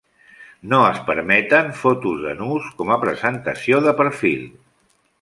No es permeten fotos de nuus com a presentació de perfil.